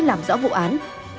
làm rõ vụ án